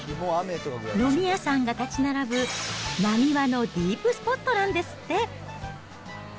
飲み屋さんが建ち並ぶ、なにわのディープスポットなんですって。